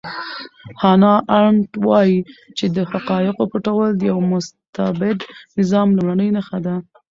هانا ارنټ وایي چې د حقایقو پټول د یو مستبد نظام لومړنۍ نښه ده.